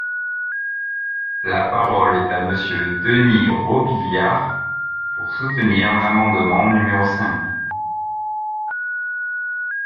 La parole est à Monsieur Denys Robiliard, pour soutenir l’amendement numéro cinq.